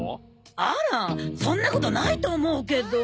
あらそんなことないと思うけど。